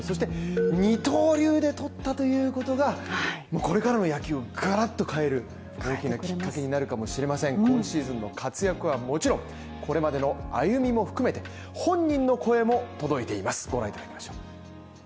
これからの野球ガラッと変える大きなきっかけになるかもしれません今シーズンの活躍はもちろん、これまでの歩みも含めて本人の声も届いていますご覧いただきましょう。